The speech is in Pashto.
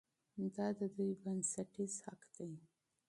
دا د دوی بنسټیز حق دی.